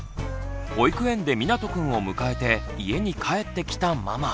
保育園でみなとくんを迎えて家に帰ってきたママ。